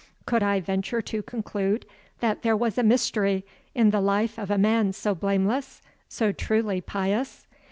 Could I venture to conclude that there was a mystery in the life of a man so blameless, so truly pious?